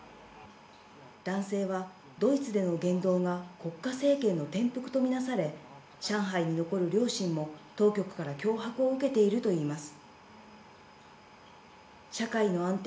男性は、ドイツでの言動が、国家政権の転覆と見なされ、上海に残る両親も、当局から脅迫を受けているといいます。